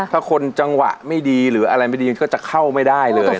ถ้าคนจังหวะไม่ดีหรือก็เคินไม่ได้เลยนะ